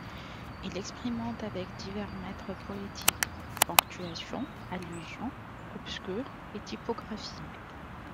Il expérimente, avec divers mètres poétiques, ponctuation, allusions obscures et typographie.